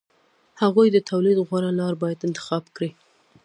هغوی د تولید غوره لار باید انتخاب کړي